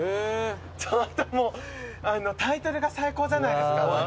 ちょっともうタイトルが最高じゃないですか？